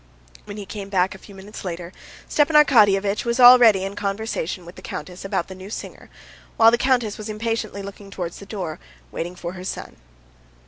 When he came back a few minutes later, Stepan Arkadyevitch was already in conversation with the countess about the new singer, while the countess was impatiently looking towards the door, waiting for her son.